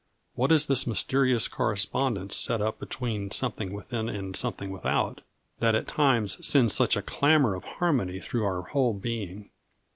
What is this mysterious correspondence set up between something within and something without, that at times sends such a clamour of harmony through our whole being?